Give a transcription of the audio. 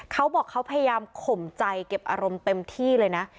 เขาบอกเขาพยายามข่มใจเก็บอารมณ์เต็มที่เลยนะ